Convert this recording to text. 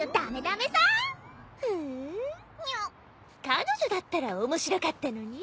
彼女だったら面白かったのに。